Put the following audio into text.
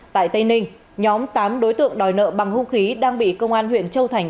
tại tây ninh nhóm tám đối tượng đòi nợ bằng hung khí đang bị công an huyện châu thành